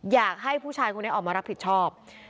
อยากให้ผู้ชายคนนี้ออกมารับผิดชอบ